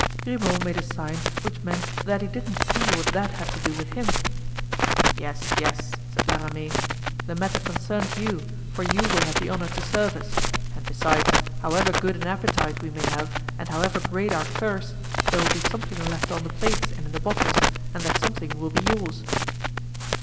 Grimaud made a sign which meant that he didn't see what that had to do with him. "Yes, yes," said La Ramee, "the matter concerns you, for you will have the honor to serve us; and besides, however good an appetite we may have and however great our thirst, there will be something left on the plates and in the bottles, and that something will be yours."